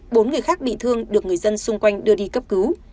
bốn người khác bị thương được người dân xung quanh đưa đi cấp cứu